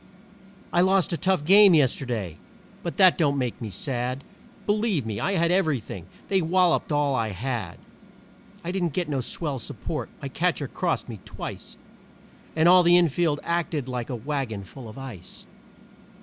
"I lost a tough game yesterday, but that don't make me sad; Believe me, I had everything they walloped all I had. I didn't get no swell support; my catcher crossed me twice And all the infield acted like a wagon full of ice.